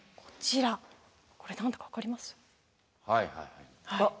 これ何だか分かります？